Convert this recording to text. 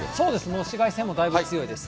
もう紫外線もだいぶ強いです。